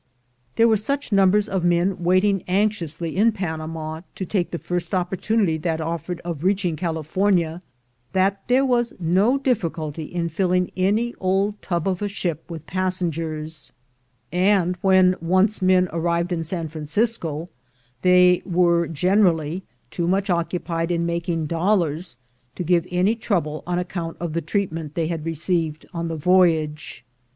There were such numbers of men waiting anxiously in Panama to take the first opportunity that offered of reaching California, that there was no difficulty in filling any old tub of a ship with passengers; and, when once men arrived in San Francisco, they were generally too much occupied in making dollars, to give any trouble on account of the treatment they had received on the voyage.